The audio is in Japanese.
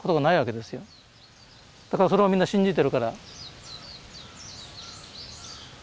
だからそれをみんな信じてるから。